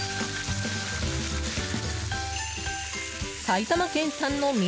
埼玉県産の味